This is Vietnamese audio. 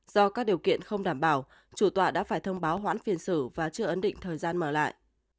do các điều kiện không đảm bảo chủ tọa đã phải thông báo hoãn phiên xử và chưa ấn định thời gian mở lại